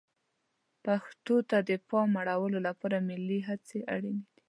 پښتو ته د پام اړولو لپاره ملي هڅې اړینې دي.